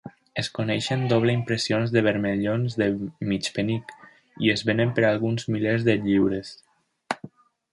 Es coneixen doble impressions de vermellons de mig penic, i es venen per alguns milers de lliures.